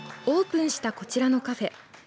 オープンしたこちらのカフェ。